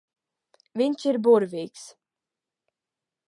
Viņš ir burvīgs.